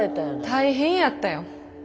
大変やったよ。